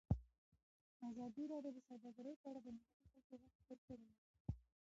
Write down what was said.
ازادي راډیو د سوداګري په اړه د محلي خلکو غږ خپور کړی.